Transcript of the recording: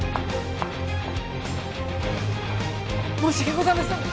申し訳ございません！